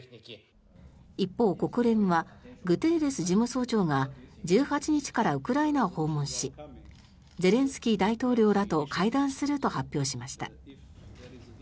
一方、国連はグテーレス事務総長が１８日からウクライナを訪問しゼレンスキー大統領らと会談すると発表しました。